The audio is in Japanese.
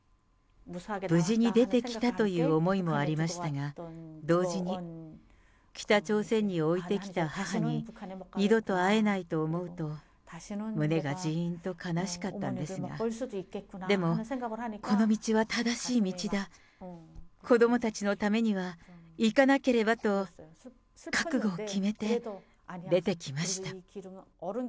無事に出てきたという思いもありましたが、同時に、北朝鮮に置いてきた母に二度と会えないと思うと、胸がじーんと悲しかったんですが、でも、この道は正しい道だ、子どもたちのためには行かなければと、覚悟を決めて出てきました。